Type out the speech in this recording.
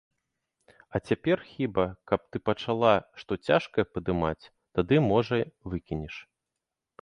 А цяпер, хіба каб ты пачала што цяжкае падымаць, тады, можа, выкінеш.